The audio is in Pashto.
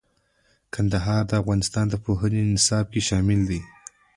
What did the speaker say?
کندهار د افغانستان د پوهنې نصاب کې شامل دي.